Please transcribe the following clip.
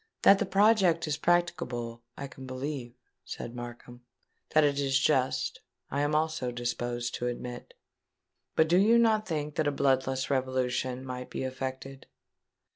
"That the project is practicable, I can believe," said Markham; "that it is just, I am also disposed to admit. But do you not think that a bloodless revolution might be effected?"